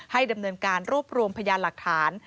ดำเนินการรวบรวมพยานหลักฐาน